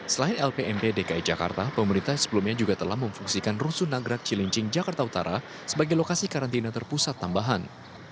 selain lpmp dki jakarta pemerintah sebelumnya juga telah memfungsikan rusun nagrak cilincing jakarta utara sebagai lokasi karantina terpusat tambahan